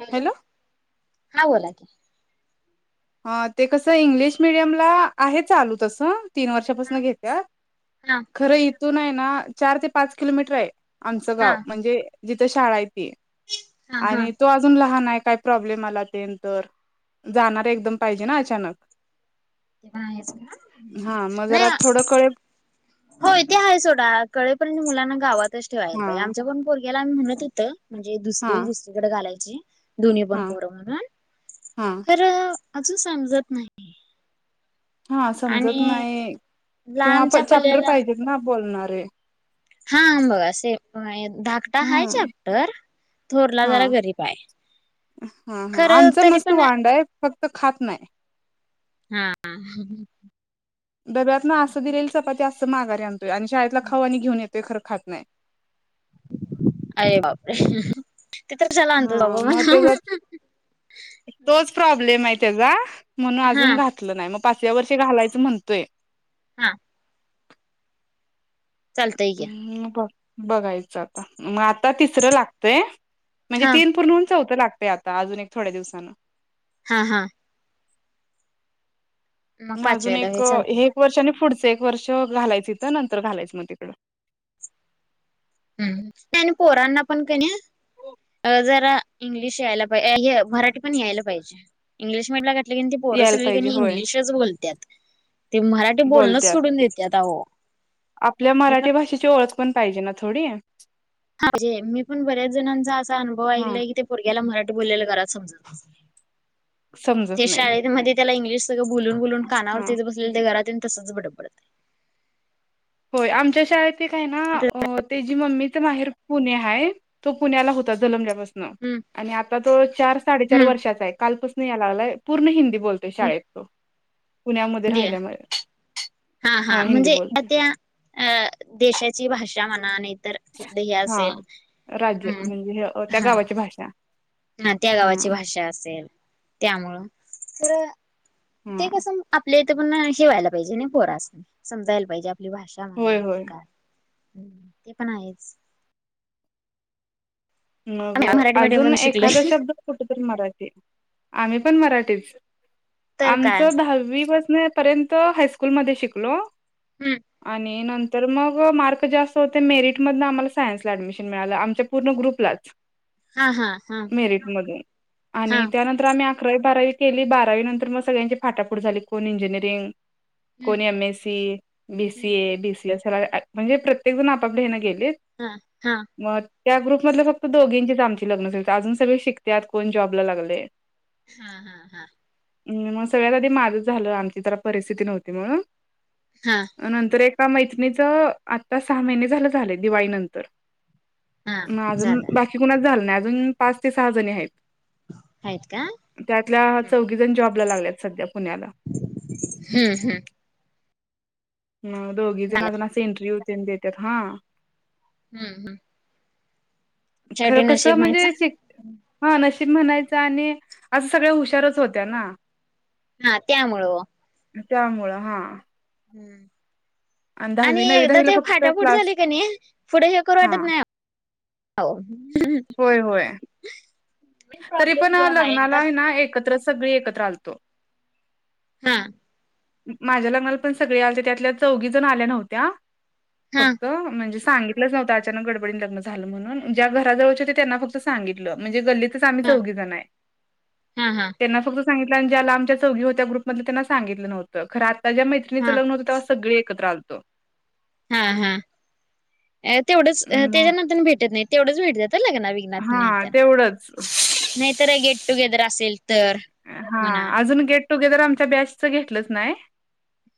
Hello हा बोला की हा ते कसं इंग्लिश मिडियमला आहे चालू तसं तीन हा वर्षापासन घेत्यात. हा खरं इथून आहे ना चार ते पाच किलोमीटर आहे आमचं हा गाव म्हणजे जिथे शाळा य त हा हा आणि तो अजून लहान आहे काय प्रॉब्लेम आला तेंत जाणार एकदम पाहिजे ना अचानक च हा मग नाही जरा थोडं कळेल होय ते आहे सोडा कळेपर्यंत मुलांना गावातच ठेवायला हा पाहिजे आमच्या पण बोल ला आमही म्हणत होत म्हणजे हा दुसरी दुसरीकडे घालायची दोन्ही पण हा पोरं म्हणून हा खरं अजून समजत नाही हा समजत आणि नाही किंवा प लांबच्या चॅप्टर पल्ल्याला पाहिजेत ना बोलणारे हा बघा से धाकटा हाय हम्म चॅप्टर थोरला हा जरा गरीब बाय हा हा आमचा मस्त वांडा आहे फक्त खात नाही हा डब्यात ना असं दिलेली चपाती अस अस माघारी आणतोय आणि शाळेतला खाऊ आनी घेऊन येतय खरं खात नाही. अरे बापरे ते तर कशालातो हा बाबा मग त्याचा म्हणा. तोच प्रब्लेम आहे त्याचा म्हणून हा अजून घात लं नाही मग पाचव्या वर्षी घालायचं म्हणतोय. हा. चालतय की. म पाहु. बघायचं आता मग आता तिसरं लागतय म्हणजे हा तीन पूर्णहून चौथं लाग ते आता अजून एक थोड्या दिवसान. हा हा‌. मग ना अजून पाचव्याला एक, होय चालतय एक वर्ष आणि पुढचं एक वर्ष घालायचं नंतर घालायचं मग तिकड. हम्म त्यान पोरांना पण का नाही. जरा इंग्लिश यायला पाहिजे अ हे मराठी पण यायला पाहिजे इंग्लिश म्हटलं का ते अन ते पोर यायला सगळीका पाहिजे नाही होय इंग्लिशच बोलत्यात. ते मराठी बोलणंच बोलत्यात सोडून देतात आहो. आपल्या मराठी भाषेची ओळख पण पाहिजे ना थोडी. ह म्हजे मी पण बऱ्याच जणांचा असा अनुभव हा ऐकलाय कि ते पोरग्याला मराठी बोललेल घरात समजत नाही समजत ते नाही शाळेत. म्हणजे त्याला इंग्लिश सगळं बोलून, बोलून कानावर हा तेच बसलेल ते घरात येऊन तसंच बड बडतय. होय आमच्या शाळेत ते काय आहे न त्याची मम्मी तर माहेर पुणे आहे तो पुण्याला होता जलंमल्या पासुन हम्म आणि आता तो चार, साडे चार हम्म वर्षाचा आहे. कालपासन यालागला हाय पूर्ण हिंदी बोलते शाळेत तो पुण्यामध्ये हिंदी हाय राहिल्यामुळे हा, ह हा हिंदी म्हणजे बोलतोय आत्या अ देशाची भाषा म्हणा नाही तर तिथल हे हा असेल राज्य हम्म, म्हणजे हे अ, त्या हा. गावाची भाषा. ना त्या हा गावाची भाषा असेल त्यामुळं तर हा ते कसं? आपल्या इथे पण शेवायला पाहिजे नाही पोरास नाही समजायला पाहिजे आपली भाषा म्हणा होय होय काय. ते पण आहेच. मग आम्ही मराठी मीडियम अजून मधून एखादा शिकलोय शब्द कुठ तरी मराठी आम्ही पण मराठीच तर आमच काय दहावी पण म पर्यंत हायस्कूलमध्ये शिकलो हम्म आणि न तर मग मार्क जास्त होते मेरिटमधनं आम्हाला सायन्सला ऍडमिशन मिळालं आमच्या पूर्ण ग्रुपलाच. हा हा हा मेरिट मधून हा आणि त्यानंतर आम्ही अकरावी, बारावी केली बारावी नंतर मग सगळ्यांची फाटाफुट झाली कोण इंजिनिअरिंग हम्म कोणी M, S, C, - B, C, हम्म ए, - बी, सी, ए. म्हणजे प्रत्येक जण आपापल्या हेनं गेलेत. हा, हा. मग त्या ग्रुपमधल फक्त फक्त दोघींचीच आमची लग्न झालीत अजून सगळे शिकतात कोण जॉबला लागले. हा हा हा. मग सगळ्यात आधी माझच झालं आमची तर परिस्थिती नव्हती म्हणून हा. नंतर एका मैत्रणीच आता सहा महिने झालं झाले दिवाळीनंतर हा म अजून झालं बाकी कुणाच झाल नाही अजून पाच ते सहा जणी आहेत. आहेत का त्यातल्या चौघी जण जॉबला लागल्यात सध्या पुण्याला हम्म हम्म. ह दोघी जण अजून अस इंटरव्यू ते न देतात हा. हम्म हम्म. खरं शेवटी कसं नशीब म्हणायचं म्हणजे हा नशीब म्हणायचं आणि असं सगळ हुशारच होत्या ना. हा त्यामुळं ओ! त्यामुळं हा. हम्म आणि दहावी नववी एकदा दहावीला ते फक्त फाटाफुट क्लास झाले का नाही पुढे हे करू हा वाटत नाही. हो. होय होय. [unintelligible] तरी प्रॉब्लेम पण जो हा लग्नाला एकदा हाय ना एकत्र सगळी एकत्र आलतो. हा. माझ्या लग्नाला पण सगळे आलते त्यातल्या चौघी जण आल्या नव्हत्या हा फक्त म्हणजे सांगितलंच न्हवत अचानक गडबडी लग्न झालं म्हणून ज्या घराजवळ होते त्यांना फक्त सांगितलं म्हणजे गल्लीतच आम्ही हा चौघी जण हाय हा हा त्यांना फक्त सांगितल आणि ज्या लांबच्या चौघी होत्या ग्रुपधल्या त्यांना सगितलं नव्हं खर आता ज्या मैत्रिणीच हा लग्न होत तेव्हा सगळे एकत्र आलतो. हा हा तेवढंच मग त्याच्यानंतर भेटत नाही तेवढच भेटतात लग्न वेळी. हां नाही तेवढंच नाहीतर गेट टुगेदर असेल तर हा म्हणा अजून गेट टुगेदर आमच्या बॅच घेतलंच नाही.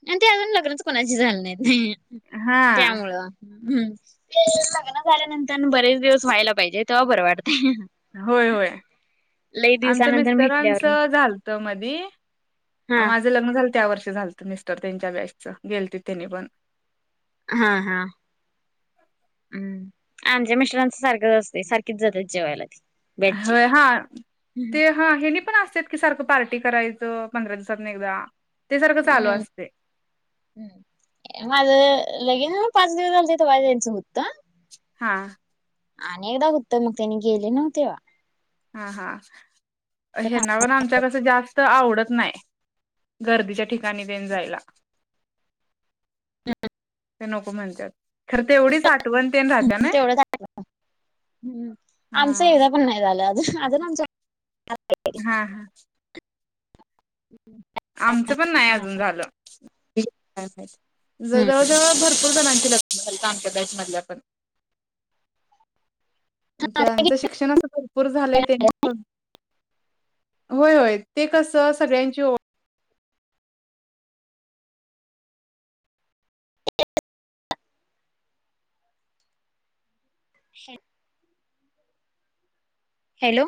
आणि ते अजून लग्नच कोणाची झाल नाहीत हां त्यामुळं हम् लग्न झाल्यानंतर बरेच दिवस व्हायला पाहिजे तेव्हा बरं वाटतंय. होय होय लई आमच्या दिवसानंतर भेटल्यावर मिस्टरांचं झालं त मधी हा माझ लग्न झालं त्या वर्षी झालत मिस्टर त्यांच्या बॅचच गेलती त्यांनी पण. हा हा! हम् आमच्या मिस्टरांचं सारखंच असतय सारखीच जातात जेवायला ते. होय हा ते हा हेनी पण असत्यात की सारखं पार्टी करायचं पंधरा दिवसांनी एकदा ते सारखं चालू हम्म असतय. माझं लगीन होऊन पाच दिवस झाल तवा जायचं होत. हा! अनि एकदा होतं मग त्यानी गेले नव्ह तेव्हा हा हा कुठं काम हेना पण आमच्या कसं जास्त त आवडत नाही गर्दीच्या ठिकाणी तेन जायला. ते नको म्हणतात. खरं तेवढीच आठवण तेन राहत्या नाय! तेवढं आमचं हा एकदा पण नाय झालं अजून आमच हा हा. आमचं पण नाही अजून झालं हम्म जवळ जवळ भरपूर जणांची लग्न आमच्या बॅच मधल्या आपण. ज्याचं शिक्षण आस भरपूर झालाय ते होय होय ते कस सगळ्यांची [inaudible] [unintelligible] हॅलो!